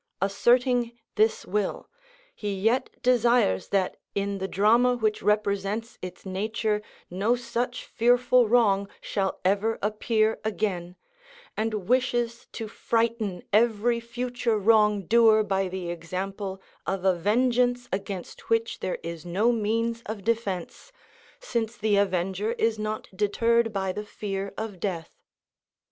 Asserting this will, he yet desires that in the drama which represents its nature no such fearful wrong shall ever appear again, and wishes to frighten ever future wrong doer by the example of a vengeance against which there is no means of defence, since the avenger is not deterred by the fear of death.